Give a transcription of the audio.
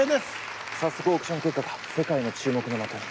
早速オークション結果が世界の注目の的に。